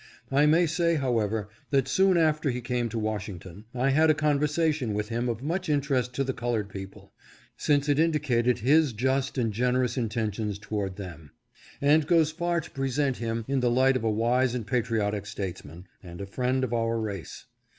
I may say, however, that soon after he came to Washing, ton I had a conversation with him of much interest to the colored people, since it indicated his just and generous intentions towards them, and goes far to .present him in the light of a wise and patriotic statesman, and a friend of our race.